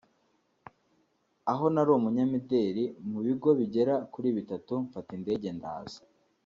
aho nari umunyamideli mu bigo bigera kuri bitatu mfata indege ndaza